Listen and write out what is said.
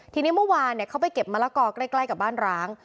ทีนี้เมื่อวานเขาไปเก็บมะละกอใกล้กับบ้านร้าง